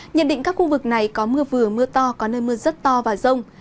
nhận định các khu vực này có mưa vừa mưa to có nơi mưa rất to và rông